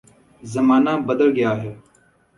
زمانہ بدل گیا ہے۔